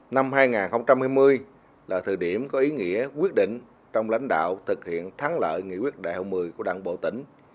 năm hai nghìn hai mươi là thời điểm có ý nghĩa quyết định trong lãnh đạo thực hiện thắng lợi nghị quyết đại hội một mươi của đảng bộ tỉnh